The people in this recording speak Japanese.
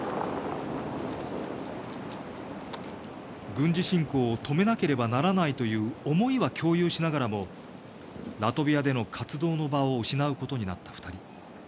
軍事侵攻を止めなければならないという思いは共有しながらもラトビアでの活動の場を失うことになった２人。